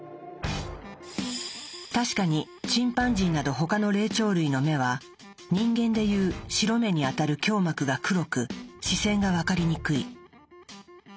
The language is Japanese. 確かにチンパンジーなど他の霊長類の目は人間で言う白目にあたる強膜が黒く視線が分かりにくい。